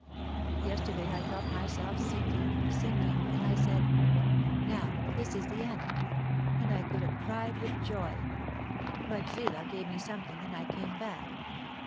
Yesterday I felt myself sinking, sinking, and I said, 'Now this is the end,' and I could have cried with joy. But Zillah gave me something, and I came back.